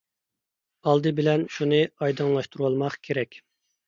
ئالدى بىلەن شۇنى ئايدىڭلاشتۇرۇۋالماق كېرەك.